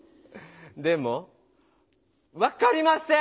でも分かりません！